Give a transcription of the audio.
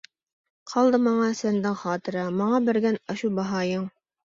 قالدى ماڭا سەندىن خاتىرە، ماڭا بەرگەن ئاشۇ باھايىڭ.